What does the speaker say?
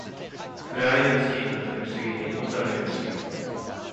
フライドチキンの食べ過ぎで胃もたれがする。